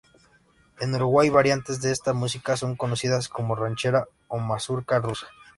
En Uruguay variantes de esta música son conocidas como ranchera o "mazurca rusa".